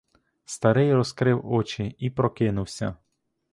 Старий розкрив очі і прокинувся.